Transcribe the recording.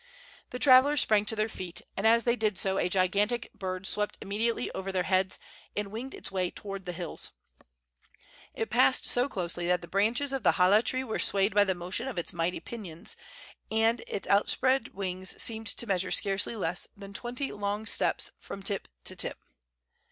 The travelers sprang to their feet, and as they did so a gigantic bird swept immediately over their heads and winged its way toward the hills. It passed so closely that the branches of the hala tree were swayed by the motion of its mighty pinions, and its outspread wings seemed to measure scarcely less than twenty long steps from tip to tip.